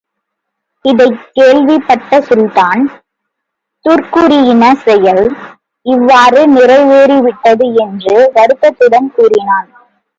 இதைக் கேள்விப்பட்ட சுல்தான், துர்க்குறியின செயல் இவ்வாறு நிறைவேறிவிட்டது என்று வருத்தத்துடன் கூறினார்.